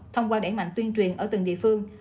thông qua đẩy mạnh tuyên truyền ở từng địa phương